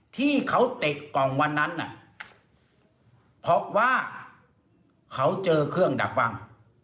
ที่เขาเตะกล่องวันนั้นน่ะเพราะว่าเขาเจอเครื่องดักฟัง